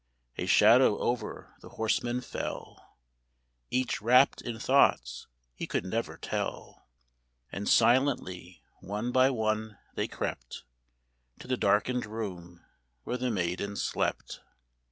A shadow over the horsemen fell, Each wrapped in thoughts he could never tell ; And silently, one by one, they crept To the darkened room where the maiden slept.